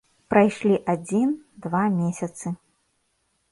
Прайшлі адзін, два месяцы.